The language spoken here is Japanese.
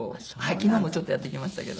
昨日もちょっとやってきましたけど。